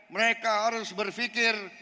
mereka harus berpikir